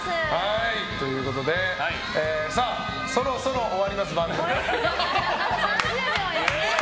ということでそろそろ終わります、番組が。